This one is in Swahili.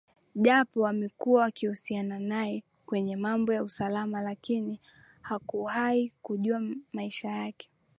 Japo wamekuwa wakihusiana naye kwenye mambo ya usalama lakini hakuahi kujua Maisha yake